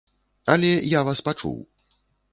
Але я вас пачуў.